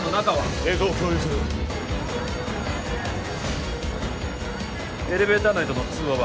映像を共有するエレベーター内との通話は？